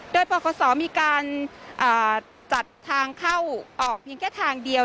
โดยปคศมีการจัดทางเข้าออกเพียงแค่ทางเดียว